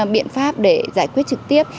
biện pháp để giải quyết trực tiếp